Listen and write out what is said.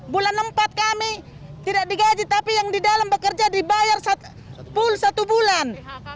bulan empat kami tidak digaji tapi yang di dalam bekerja dibayar pull satu bulan